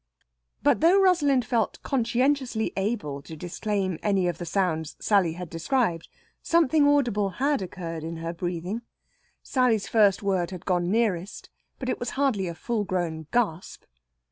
But though Rosalind felt conscientiously able to disclaim any of the sounds Sally had described, something audible had occurred in her breathing. Sally's first word had gone nearest, but it was hardly a full grown gasp.